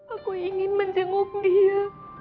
aku ingin menjenguk dia